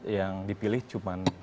yang dipilih cuma